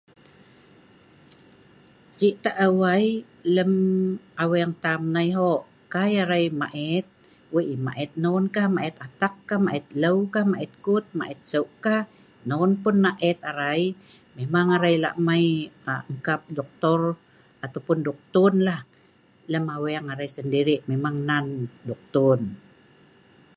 Si ta'eu ai' lem aweng tam nai ho kai arai mait, wei' mait non kah mait atak kah mait leu kah' mait kut mait seu' kah non pun mait arai memang arai lah' mai kap doktor atau doktonlah lem aweng arai sendiri'.